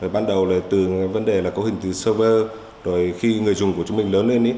ban đầu là từ vấn đề là có hình từ server rồi khi người dùng của chúng mình lớn lên